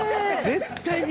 絶対に。